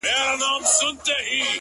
خو لا يې سترگي نه دي سرې خلگ خبري كـوي،